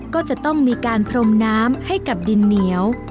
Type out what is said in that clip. ก็จะต้องมีการพรมน้ำให้กับดินเหนียว